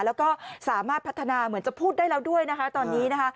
แล้วก็สามารถพัฒนาเหมือนจะพูดได้แล้วด้วยนะคะตอนนี้นะคะ